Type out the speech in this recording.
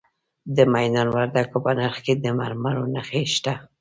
د میدان وردګو په نرخ کې د مرمرو نښې شته.